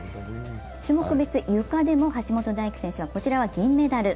種目別ゆかでも橋本大輝選手が銀メダル。